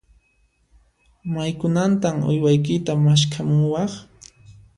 Maykunantan uywaykita maskhamuwaq?